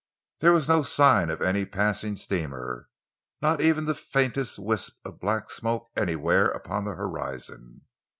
There was no sign of any passing steamer, not even the faintest wisp of black smoke anywhere upon the horizon.